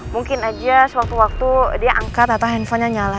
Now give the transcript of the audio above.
mungkin aja sewaktu waktu dia angkat atau handphonenya nyala